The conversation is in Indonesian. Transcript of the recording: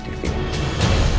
tante yang mencuri cctv